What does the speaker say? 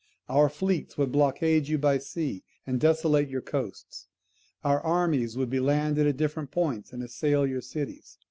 Our fleets would blockade you by sea, and desolate your coasts; our armies would be landed at different points, and assail your cities.